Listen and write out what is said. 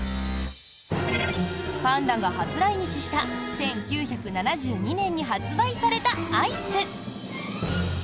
パンダが初来日した１９７２年に発売されたアイス。